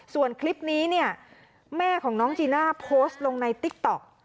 ส่วนคลิปนี้เนี่ยแม่ของน้องจีน่าโพสต์ลงในติ๊กต๊อก